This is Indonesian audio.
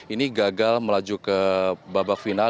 ini gagal melaju ke babak final